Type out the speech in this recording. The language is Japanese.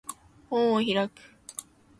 本を開く